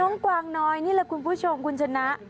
กวางน้อยนี่แหละคุณผู้ชมคุณชนะ